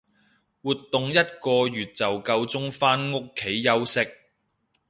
活動一個月就夠鐘返屋企休息